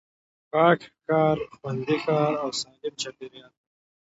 پاک ښار، خوندي ښار او سالم چاپېريال